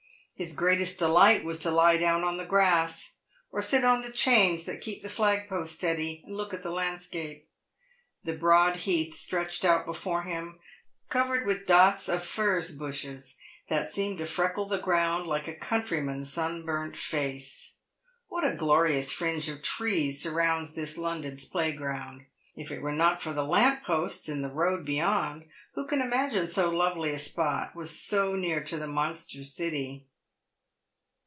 His greatest delight was to lie down on the grass, or sit on the chains that keep the flag post steady, and look at the landscape. The broad heath stretched out before him, covered with dots of furze bushes that seemed to freckle the ground like a country man's sunburnt face. What a glorious fringe of trees surrounds this London's playground ! If it were not for the lamp posts in the road beyond, who could imagine so lovely a spot was so near to the monster city.